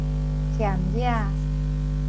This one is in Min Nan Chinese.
儉額